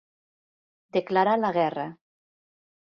Declarar la guerra.